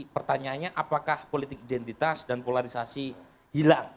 pertanyaannya apakah politik identitas dan polarisasi hilang